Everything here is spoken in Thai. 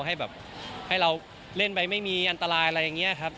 ให้แบบให้เราเล่นไปไม่มีอันตรายอะไรอย่างนี้ครับ